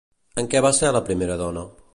En què va ser la primera dona?